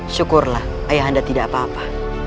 syukurlah ayah anda tidak apa apa